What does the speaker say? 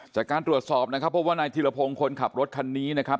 จากการตรวจสอบนะครับพบว่านายธิรพงศ์คนขับรถคันนี้นะครับ